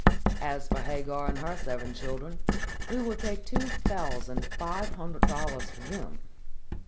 _ As for Hagar and her seven children, we will take two thousand five hundred dollars for them.